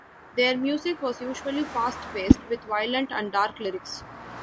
Their music was usually fast-paced with violent and dark lyrics.